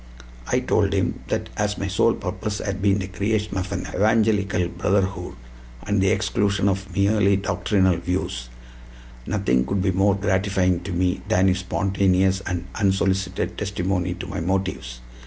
I told him that as my sole purpose had been the creation of an evangelical brotherhood and the exclusion of merely doctrinal views, nothing could be more gratifying to me than his spontaneous and unsolicited testimony to my motives.